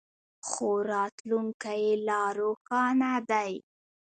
خو راتلونکی یې لا روښانه دی.